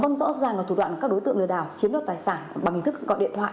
vâng rõ ràng là thủ đoạn của các đối tượng lừa đảo chiếm đoạt tài sản bằng hình thức gọi điện thoại